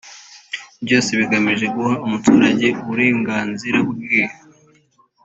byose bigamije guha umuturage uburenganzira bwe